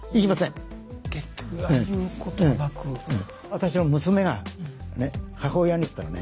私の娘が母親に言ったらね